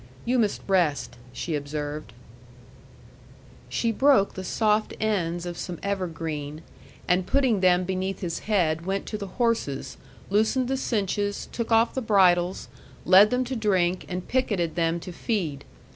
"You must rest," she observed. She broke the soft ends of some evergreen, and putting them beneath his head, went to the horses, loosened the cinches, took off the bridles, led them to drink, and picketed them to feed.